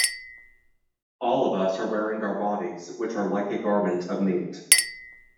All of us are wearing our bodies, which are like a garment of meat.